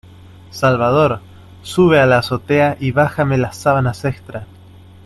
Salvador, ¡sube a la azotea y bájame las sábanas extra!